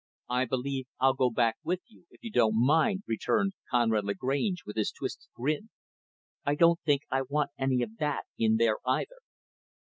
"I believe I'll go back with you, if you don't mind," returned Conrad Lagrange, with his twisted grin; "I don't think I want any of that in there, either."